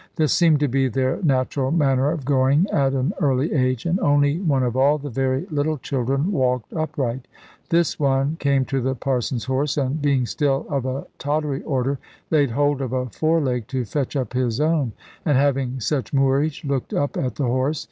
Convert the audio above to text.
This seemed to be their natural manner of going at an early age: and only one of all the very little children walked upright. This one came to the Parson's horse, and being still of a tottery order, laid hold of a fore leg to fetch up his own; and having such moorage, looked up at the horse.